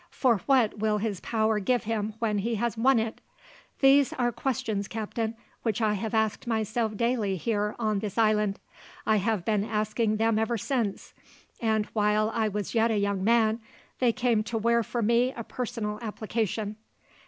For what will his power give him when he has won it? These are questions, Captain, which I have asked myself daily here on this island. I have been asking them ever since, and while I was yet a young man they came to wear for me a personal application.